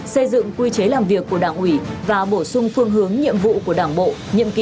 xây dựng quy chế làm việc của đảng ủy và bổ sung phương hướng nhiệm vụ của đảng bộ nhiệm kỳ hai nghìn hai mươi hai nghìn hai mươi năm